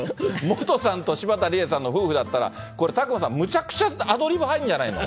モトさんと柴田理恵さんの夫婦だったら、これ、宅間さん、むちゃくちゃアドリブ入るんじゃないの？